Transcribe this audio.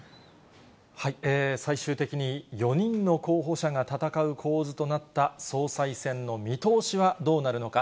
最終的に４人の候補者が戦う構図となった総裁選の見通しはどうなるのか。